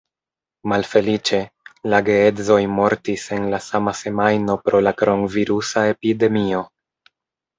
Malfeliĉe, la geedzoj mortis en la sama semajno pro la kronvirusa epidemio.